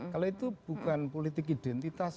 kalau itu bukan politik identitas